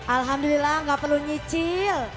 alhamdulillah gak perlu nyicil